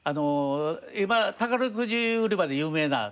今宝くじ売り場で有名な所がある。